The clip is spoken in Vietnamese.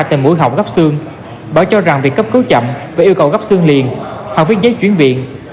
tìm mũi hỏng gấp xương bảo cho rằng việc cấp cứu chậm và yêu cầu gấp xương liền hoặc viết giấy chuyển viện